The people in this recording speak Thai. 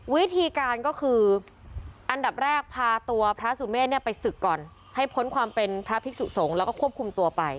วิธีการก็คืออันดับแรกพาตัวพระสุเมฆไปศึกก่อนให้พ้นความเป็นพระภิกษุสงฆ์แล้วก็ควบคุมตัวไป